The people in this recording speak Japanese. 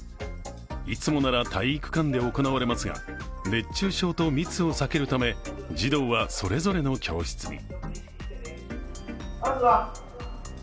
いつもなら体育館で行われますが、熱中症と密を避けるため児童はそれぞれの教室に。